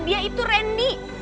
dia itu randy